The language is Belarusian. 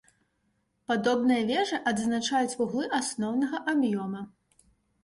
Падобныя вежы адзначаюць вуглы асноўнага аб'ёма.